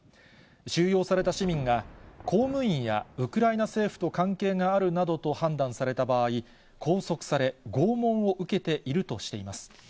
収容された市民が、公務員やウクライナ政府と関係があるなどと判断された場合、拘束され、拷問を受けているとしています。